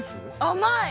甘い！